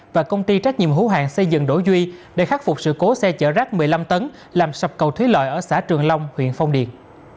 và công ty trách nhiệm hữu hạng xây dựng đỗ duy để khắc phục sự cố xe chở rác một mươi năm tấn làm sập cầu thúy lợi ở xã trường long huyện phong điền